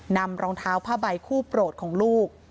รองเท้าผ้าใบคู่โปรดของลูก